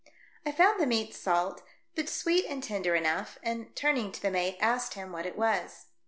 I found the meat salt, but sweet and tender enough, and turning to the mate asked him what it was.